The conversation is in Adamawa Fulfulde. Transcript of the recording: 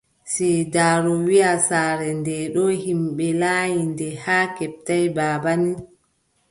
Siidaaru wiʼata, saare ndee ɗoo yimɓe laanyi nde, haa keɓta baaba nii,